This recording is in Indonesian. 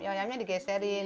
ya ayamnya digeserin